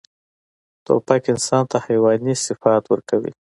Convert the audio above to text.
توپک انسان ته حیواني صفات ورکوي.